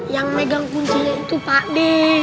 yang megang kuncinya itu pak d